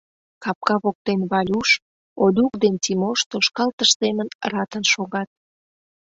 Капка воктен Валюш, Олюк ден Тимош тошкалтыш семын ратын шогат.